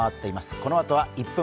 このあとは「１分！